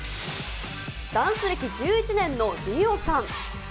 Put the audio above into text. ダンス歴１１年のリオさん。